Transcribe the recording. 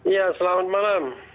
iya selamat malam